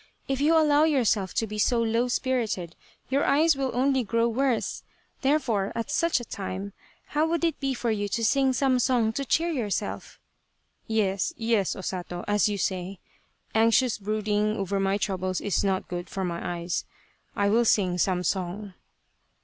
If you allow yourself to be so low spirited, your eyes will only grow worse. Therefore, at such a time, how would it be for you to sing some song to cheer yourself ?"" Yes, yes, O Sato, as you say, anxious brooding over my troubles is not good for my eyes. I will sing some song."